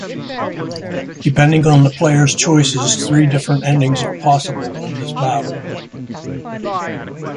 Depending on the player's choices, three different endings are possible in this battle.